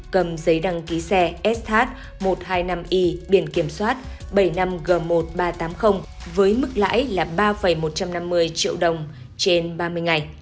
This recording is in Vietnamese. cầm giấy đăng ký xe sh một trăm hai mươi năm e biển kiểm soát bảy mươi năm g một nghìn ba trăm tám mươi với mức lãi là ba một trăm năm mươi triệu đồng trên ba mươi ngày